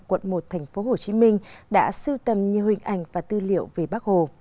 quận một tp hcm đã sưu tầm nhiều hình ảnh và tư liệu về bác hồ